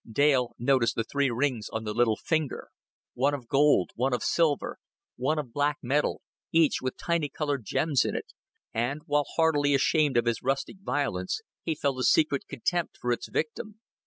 Dale noticed the three rings on the little finger one of gold, one of silver, one of black metal, each with tiny colored gems in it and while heartily ashamed of his rustic violence, he felt a secret contempt for its victim.